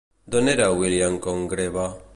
D'on era William Congreve?